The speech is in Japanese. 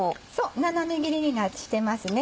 斜め切りにしてますね。